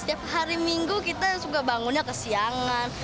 setiap hari minggu kita juga bangunnya ke siangan